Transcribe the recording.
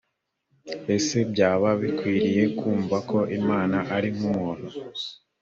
ese byaba bikwiriye kumva ko imana ari nkumuntu?